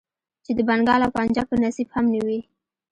چې د بنګال او پنجاب په نصيب هم نه وې.